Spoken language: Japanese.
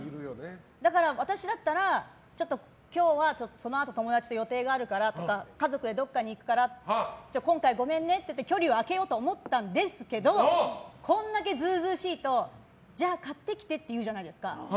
だから、私だったら今日はこのあと友達と予定があるからとか家族でどこかに行くから今回はごめんねって言って距離を開けようと思ったんですけどこんだけ図々しいとじゃあ買ってきてって言うじゃないですか。